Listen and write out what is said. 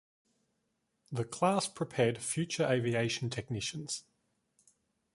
The class prepared future aviation technicians.